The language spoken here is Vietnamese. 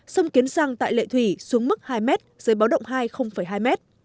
sông kiến giang tại lệ thủy xuống mức hai m dưới báo động hai hai m